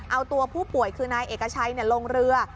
เอาตัวผู้ป่วยคือนายเอกชัยลงเรือ